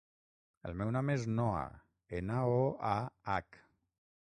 El meu nom és Noah: ena, o, a, hac.